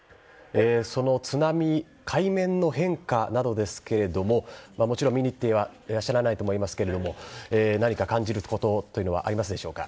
その津波海面の変化などですがもちろん見に行ってはいらっしゃらないと思いますが何か感じることはありますか？